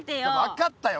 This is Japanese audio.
分かったよ